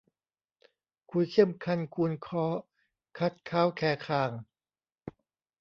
คุยเคี่ยมคันคูนค้อ คัดค้าวแคคาง